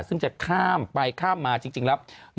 ซึ่งจะข้ามไปข้ามมาจริงแล้ว